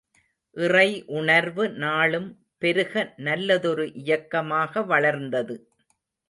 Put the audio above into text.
இறை உணர்வு நாளும் பெருக நல்லதொரு இயக்கமாக வளர்ந்தது.